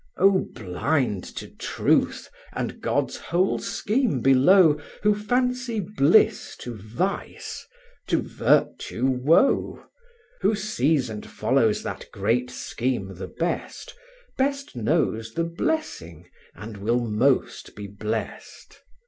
Oh, blind to truth, and God's whole scheme below, Who fancy bliss to vice, to virtue woe! Who sees and follows that great scheme the best, Best knows the blessing, and will most be blest.